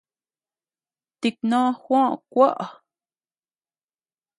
Tiknó Juó kuoʼo.